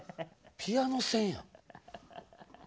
ピアノ線やん。